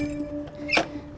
insya allah semoga berhasil